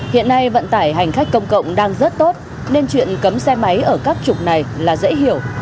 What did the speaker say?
hiện nay vận tải hành khách công cộng đang rất tốt nên chuyện cấm xe máy ở các trục này là dễ hiểu